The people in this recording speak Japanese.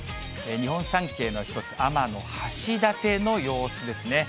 日本三景の一つ、天橋立の様子ですね。